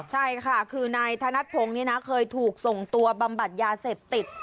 ใช่ค่ะคือนายธนัดพงศ์นี่นะเคยถูกส่งตัวบำบัดยาเสพติด